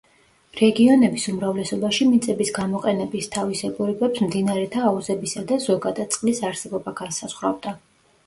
რეგიონების უმრავლესობაში მიწების გამოყენების თავისებურებებს მდინარეთა აუზებისა და, ზოგადად, წყლის არსებობა განსაზღვრავდა.